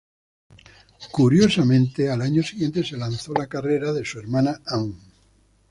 Curiosamente, al año siguiente se lanzó la carrera de su hermana Ann.